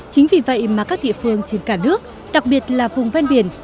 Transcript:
chính vì vậy mà các địa phương trên cả nước đặc biệt là vùng ven biển